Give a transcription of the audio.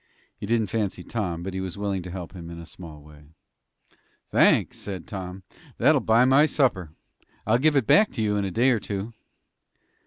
He didn't fancy Tom, but he was willing to help him in a small way. "Thanks," said Tom. "That'll buy my supper. I'll give it back to you in a day or two."